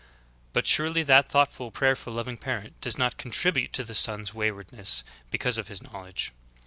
] But surely that thoughtful, prayerful, loving parent doe"s^ not contribute to the son's wayward ness because of his knowledge.